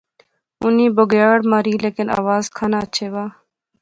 اُنی بگیاڑ ماری۔۔۔ لیکن آواز کھاناں اچھے وہا